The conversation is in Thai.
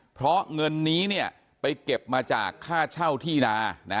เพราะเงินนี้ไปเก็บมาจากค่าเช่าที่นา